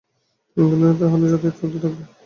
এখন থেকে তা হলে ওখানে যাতায়াত চলতে থাকবে?